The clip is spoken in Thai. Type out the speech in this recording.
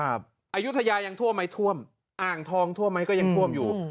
อายุทยายังท่วมไหมท่วมอ่างทองท่วมไหมก็ยังท่วมอยู่